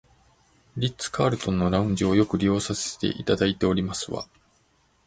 リッツカールトンのラウンジをよく利用させていただいておりますわ